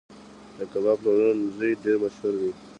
د کباب پلورنځي ډیر مشهور دي